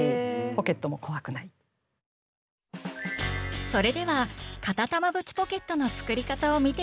それでは片玉縁ポケットの作り方を見ていきましょう！